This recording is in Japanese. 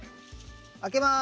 開けます。